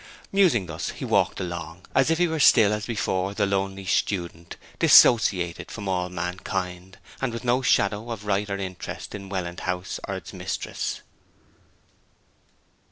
Musing thus he walked along as if he were still, as before, the lonely student, dissociated from all mankind, and with no shadow of right or interest in Welland House or its mistress.